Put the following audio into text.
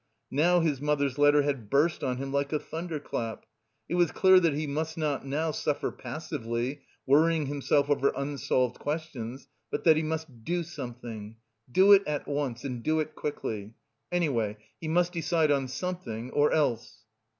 Now his mother's letter had burst on him like a thunderclap. It was clear that he must not now suffer passively, worrying himself over unsolved questions, but that he must do something, do it at once, and do it quickly. Anyway he must decide on something, or else...